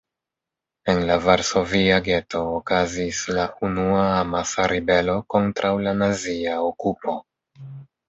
En la varsovia geto okazis la unua amasa ribelo kontraŭ la nazia okupo.